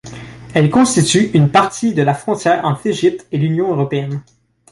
Elle constitue une partie de la frontière entre l'Égypte et l'Union européenne.